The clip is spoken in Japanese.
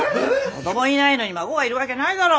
子供いないのに孫がいるわけないだろ。